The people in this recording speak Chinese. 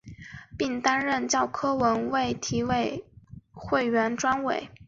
并担任教科文卫体委员会专委。